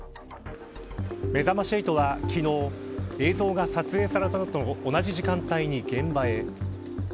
めざまし８は昨日映像が撮影されたのと同じ時間帯に現場へ。